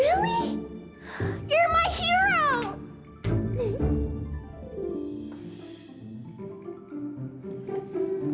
kamu adalah heroku